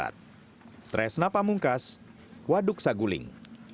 teresna pamungkas waduk saguling